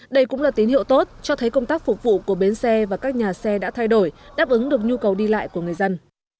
đây cũng là tín hiệu tốt cho thấy công tác phục vụ của bến xe và các nhà xe đã thay đổi đáp ứng được nhu cầu đi lại của người dân